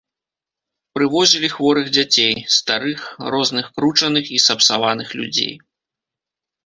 Прывозілі хворых дзяцей, старых, розных кручаных і сапсаваных людзей.